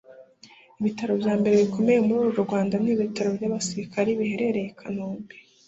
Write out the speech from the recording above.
Ibitaro byambere bikomeye muri uru Rwanda ni ibitaro by’ abasirikare biherereye Kanombe